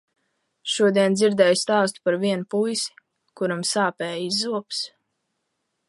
Šodien dzirdēju stāstu par vienu puisi, kuram sāpējis zobs.